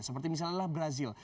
seperti misalnya adalah brazil